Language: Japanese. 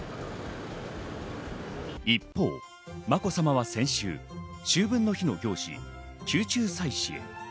一方、まこさまは先週秋分の日の行事、宮中祭祀へ。